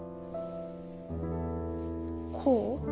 こう？